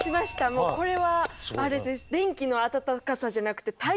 もうこれはあれです。